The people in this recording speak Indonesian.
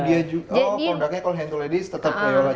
oh dia juga oh produknya kalau hand to ladies tetap ke yola juga